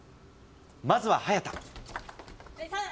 まずは早田。